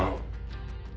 nanti gue tagih bayaran gue